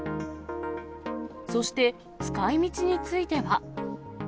そして、使いみちについては。